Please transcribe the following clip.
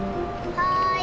はい。